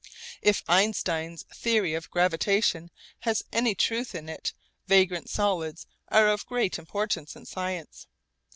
If Einstein's theory of gravitation has any truth in it, vagrant solids are of great importance in science.